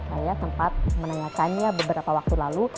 saya sempat menanyakannya beberapa waktu lalu